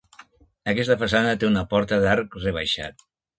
Aquesta façana té una porta d'arc rebaixat.